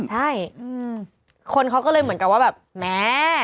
ใช่คนเขาก็เลยเหมือนกับว่าแบบแม่